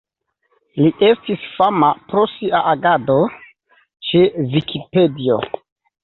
Li estis fama pro sia agado ĉe Vikipedio.